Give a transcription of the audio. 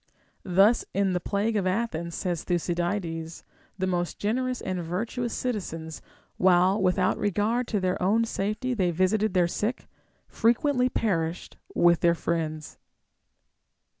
* Thus in the plague of Athens, says Tlmcydides,f the most generous and virtuous citizens, while without regard to their oavu safety they visited their sick, frequently perished with their friends.